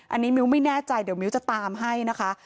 อันนี้มิ้วไม่แน่ใจเดี๋ยวมิ้วจะตามให้นะคะ